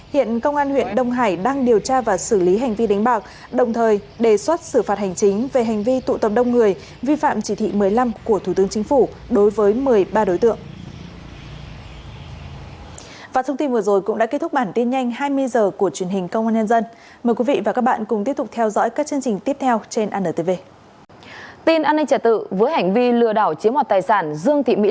hiện công an huyện đông hải đang điều tra và xử lý hành vi đánh bạc đồng thời đề xuất xử phạt hành chính về hành vi tụ tập đông người vi phạm chỉ thị một mươi năm của thủ tướng chính phủ đối với một mươi ba đối tượng